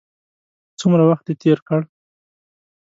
څومره وخت دې تېر کړ.